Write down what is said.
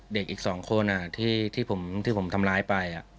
เด็กอีก๒คนที่ผมทำร้ายไป